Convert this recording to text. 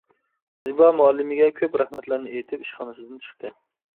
زىبا مۇئەللىمىگە كۆپ رەھمەتلەرنى ئېيتىپ ئىشخانىسىدىن چىقتى.